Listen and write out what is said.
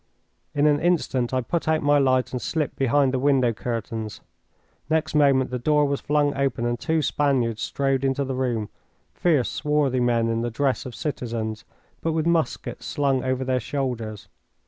In an instant I put out my light and slipped behind the window curtains. Next moment the door was flung open and two Spaniards strode into the room, fierce, swarthy men in the dress of citizens, but with muskets slung over their shoulders.